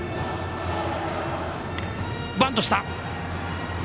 バントした。